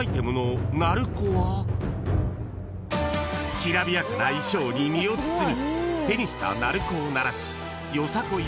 ［きらびやかな衣装に身を包み手にした鳴子を鳴らしよさこい